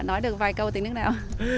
nói được vài câu tiếng nước nào